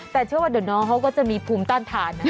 แต่เชื่อว่าเดี๋ยวน้องเขาก็จะมีภูมิต้านทานนะ